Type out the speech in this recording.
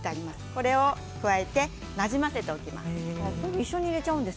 これを加えてなじませておきます。